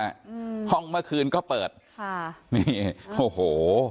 อืมห้องเมื่อคืนก็เปิดค่ะนี่โอ้โห